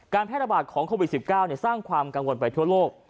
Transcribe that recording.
แพร่ระบาดของโควิด๑๙สร้างความกังวลไปทั่วโลก